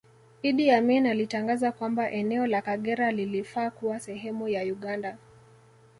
Idi Amin alitangaza kwamba eneo la Kagera lilifaa kuwa sehemu ya Uganda